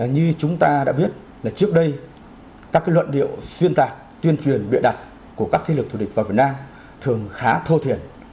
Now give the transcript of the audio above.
như chúng ta đã biết là trước đây các luận điệu xuyên tạc tuyên truyền bịa đặt của các thế lực thù địch vào việt nam thường khá thô thiền